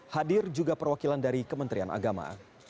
hadir juga perwakilan dari kementerian agama